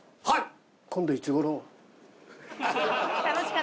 はい。